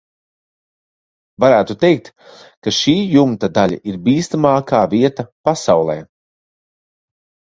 Varētu teikt, ka šī jumta daļa ir bīstamākā vieta pasaulē.